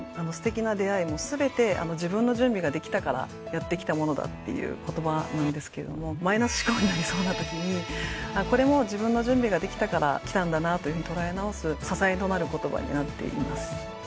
すてきな出会いも全て自分の準備ができたからやってきたものだっていう言葉なんですけれどもマイナス思考になりそうなときに「あっこれも自分の準備ができたからきたんだな」というふうに捉え直す支えとなる言葉になっています。